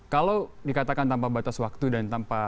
kalau dikatakan tanpa batas waktu dan tanpa